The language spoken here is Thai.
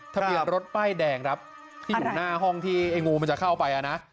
ทะเบียนรถป้ายแดงครับที่อยู่หน้าห้องที่ไอ้งูมันจะเข้าไปอ่ะนะ